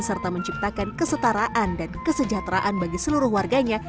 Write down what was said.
serta menciptakan kesetaraan dan kesejahteraan bagi seluruh warganya